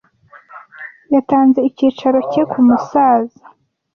Yatanze icyicaro cye kumusaza.